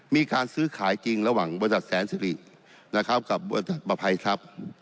มีการซื้อขายจริงระหว่างบริษัทแสนสิรินะครับกับบริษัทประภัยทรัพย์